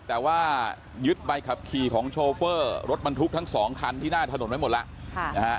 แต่ว่ายึดใบขับขี่ของรถบรรทุกทั้งสองคันที่หน้าถนนไว้หมดแล้วค่ะนะฮะ